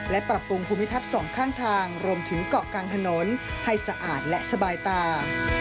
และปรับปรุงภูมิทัศน์สองข้างทางรวมถึงเกาะกลางถนนให้สะอาดและสบายตา